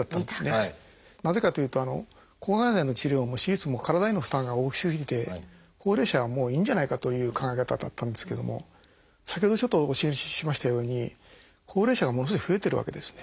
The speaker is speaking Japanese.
なぜかというと抗がん剤の治療も手術も体への負担が大きすぎて高齢者はもういいんじゃないかという考え方だったんですけども先ほどちょっとお教えしましたように高齢者がものすごい増えてるわけですね。